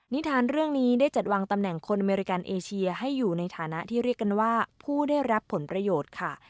นิทานเรื่องนี้ได้จัดวางตำแหน่งคนอเมริกันเอเชียให้อยู่ในฐานะที่เรียกกันว่าผู้ได้รับผลประโยชน์ค่ะ